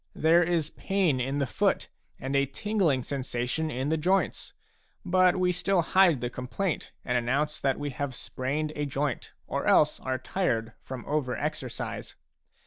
There is pain in the foot, and a tingling sensa tion in the joints ; but we still hide the complaint and announce that we have sprained a joint, or else are tired from over exercise.